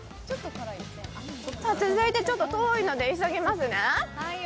続いてちょっと遠いので急ぎますね。